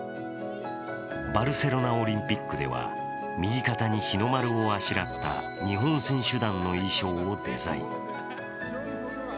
バルセロナオリンピックでは右肩に日の丸をあしらった日本選手団の衣装をデザイン。